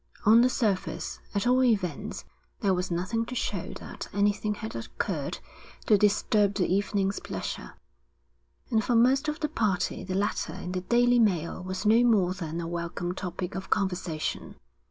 On the surface, at all events, there was nothing to show that anything had occurred to disturb the evening's pleasure, and for most of the party the letter in the Daily Mail was no more than a welcome topic of conversation.